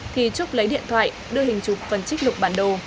thì trúc lấy điện thoại đưa hình chụp phần trích lục bản đồ